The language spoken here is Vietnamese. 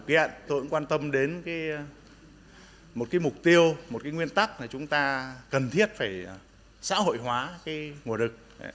thực hiện tôi cũng quan tâm đến một cái mục tiêu một cái nguyên tắc là chúng ta cần thiết phải xã hội hóa cái mùa đực